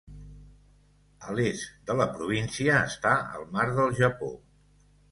A l'est de la província està el mar del Japó.